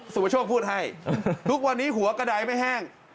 ประโชคพูดให้ทุกวันนี้หัวกระดายไม่แห้ง